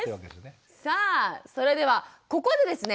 さあそれではここでですね